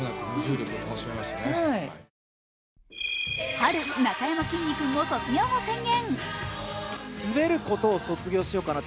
春、なかやまきんに君も卒業を宣言。